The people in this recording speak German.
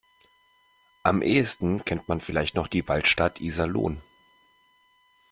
Am ehesten kennt man vielleicht noch die Waldstadt Iserlohn.